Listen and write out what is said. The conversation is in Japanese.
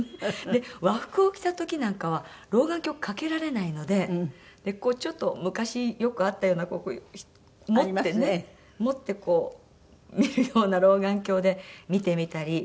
で和服を着た時なんかは老眼鏡かけられないのでこうちょっと昔よくあったようなこういう持ってね持ってこう見るような老眼鏡で見てみたり。